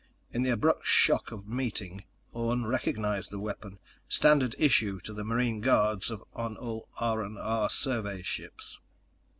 In the abrupt shock of meeting, Orne recognized the weapon: standard issue to the marine guards on all R&R survey ships.